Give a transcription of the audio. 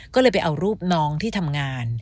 ก็เลยไปเอารูปน้องที่ทำงาน